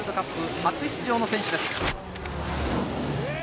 初出場の選手です。